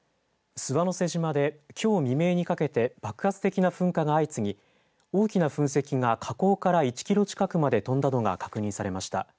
諏訪之瀬島できょう未明にかけて爆発的な噴火が相次ぎ大きな噴石が火口から１キロ近くまで飛んだのが確認されました。